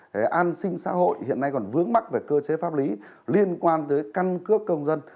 cái an sinh xã hội hiện nay còn vướng mắc về cơ chế pháp lý liên quan tới căn cước công dân